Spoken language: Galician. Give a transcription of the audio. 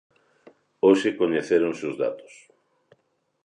Hoxe coñecéronse os datos.